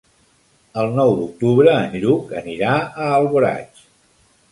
El nou d'octubre en Lluc anirà a Alboraig.